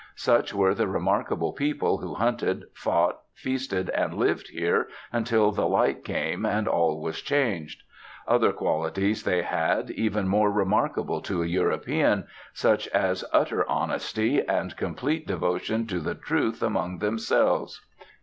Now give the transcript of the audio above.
Such were the remarkable people who hunted, fought, feasted, and lived here until the light came, and all was changed. Other qualities they had even more remarkable to a European, such as utter honesty, and complete devotion to the truth among themselves.